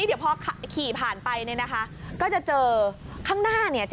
เดี๋ยวพอขี่ผ่านไปเนี่ยนะคะก็จะเจอข้างหน้าเนี่ย